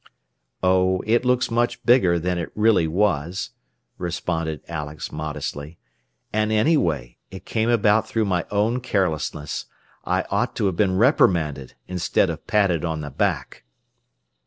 '" "Oh, it looks much bigger than it really was," responded Alex modestly. "And anyway, it came about through my own carelessness. I ought to have been reprimanded, instead of patted on the back."